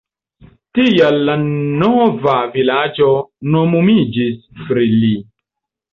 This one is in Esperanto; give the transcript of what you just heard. Tial la nova vilaĝo nomumiĝis pri li.